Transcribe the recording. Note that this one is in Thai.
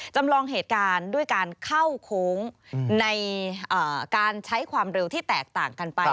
จำลองเหตุการณ์ด้วยการเข้าโค้งในการใช้ความเร็วที่แตกต่างกันไป